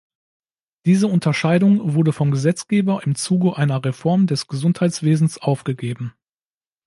Diese Unterscheidung wurde vom Gesetzgeber im Zuge einer Reform des Gesundheitswesens aufgegeben.